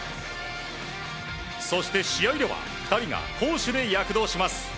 そして、試合では２人が攻守で躍動します。